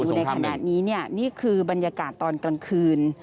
คุณผู้ชมเห็นดูในขณะนี้เนี่ยนี่คือบรรยากาศตอนกลางคืน